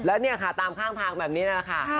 แล้วเนี่ยค่ะตามข้างทางแบบนี้นั่นแหละค่ะ